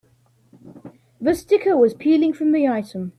The sticker was peeling from the item.